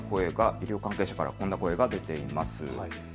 医療関係者からはこんな声が出ています。